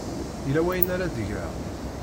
Yella wayen ara d-geɣ?